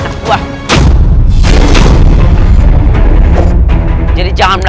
aku sengaja kabur